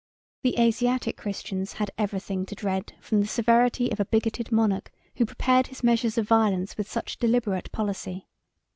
—M.] The Asiatic Christians had every thing to dread from the severity of a bigoted monarch who prepared his measures of violence with such deliberate policy.